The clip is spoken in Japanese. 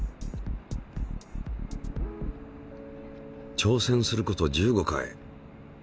挑戦すること１５回。